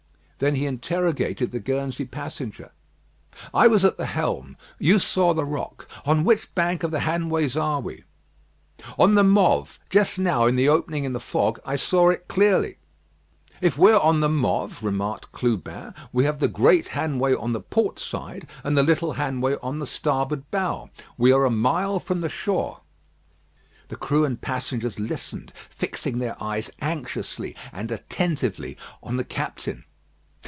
Then he interrogated the Guernsey passenger: "I was at the helm. You saw the rock. On which bank of the Hanways are we?" "On the Mauve. Just now, in the opening in the fog, I saw it clearly." "If we're on the Mauve," remarked Clubin, "we have the Great Hanway on the port side, and the Little Hanway on the starboard bow; we are a mile from the shore." The crew and passengers listened, fixing their eyes anxiously and attentively on the captain.